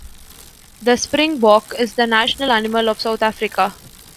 The springbok is the national animal of South Africa.